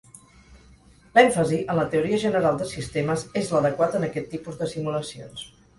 L'èmfasi en la teoria general de sistemes és l'adequat en aquest tipus de simulacions.